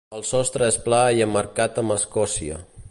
El sostre és pla i emmarcat amb escòcia.